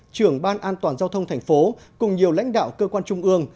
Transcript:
trưởng ban an toàn giao thông thành phố cùng nhiều lãnh đạo cơ quan trung ương